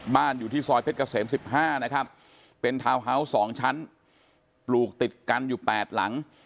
อยู่ที่ซอยเพชรเกษม๑๕นะครับเป็นทาวน์ฮาวส์๒ชั้นปลูกติดกันอยู่๘หลัง